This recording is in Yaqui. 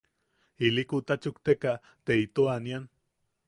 Ili kuta chukteka te ito anian.